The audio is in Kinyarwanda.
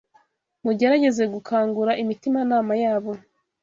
Mugerageze gukangura imitimanama yabo